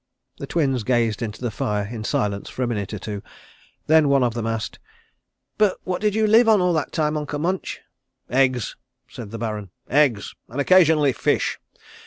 The Twins gazed into the fire in silence for a minute or two. Then one of them asked: "But what did you live on all that time, Uncle Munch?" "Eggs," said the Baron. "Eggs and occasionally fish.